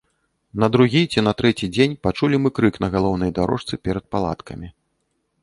На другі ці на трэці дзень пачулі мы крык на галоўнай дарожцы перад палаткамі.